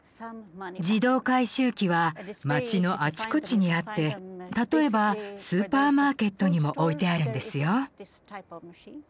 自動回収機は街のあちこちにあって例えばスーパーマーケットにも置いてあるんですよ。